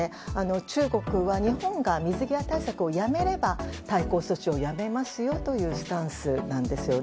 中国は、日本が水際対策をやめれば対抗措置をやめますよというスタンスなんですよね。